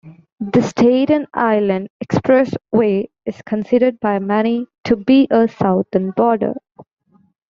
The Staten Island Expressway is considered by many to be a southern border.